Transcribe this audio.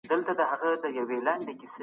د کیمیا د تجربو لپاره توکي څنګه برابریږي؟